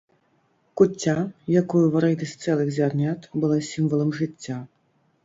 Куцця, якую варылі з цэлых зярнят, была сімвалам жыцця.